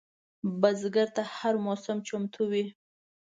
بزګر ته هره موسم چمتو وي